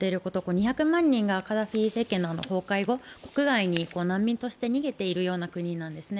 ２００万人がカダフィ政権の崩壊後国外に難民として逃げている国なんですね。